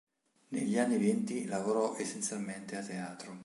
Negli anni venti, lavorò essenzialmente a teatro.